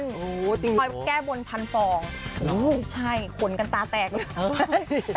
จริงหรือคอยแก้บนพันฟองโอ้ใช่ขนกันตาแตกเลย